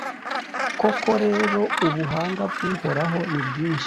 Koko rero, ubuhanga bw’Uhoraho ni bwinshi,